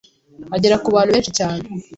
agera ku bantu benshi cyane ,